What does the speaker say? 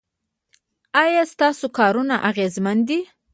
ایا ستاسو کارونه اغیزمن دي؟